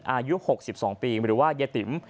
อายุ๖๒ปีหรือว่ายายติ๋ม